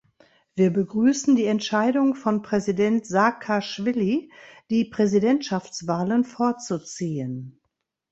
Wir begrüßen die Entscheidung von Präsident Saakaschwili, die Präsidentschaftswahlen vorzuziehen.